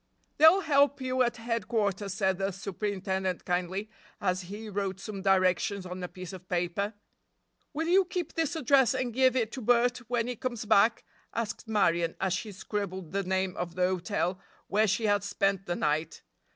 "They'll help you at headquarters," said the superintendent kindly, as he wrote some directions on a piece of paper. "Will you keep this address and give it to Bert when he comes back?" asked Marion, as she scribbled the name of the hotel where she had spent the night.